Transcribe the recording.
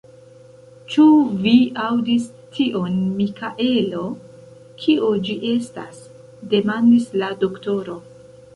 Ĉu vi aŭdis tion, Mikelo? Kio ĝi estas? demandis la doktoro.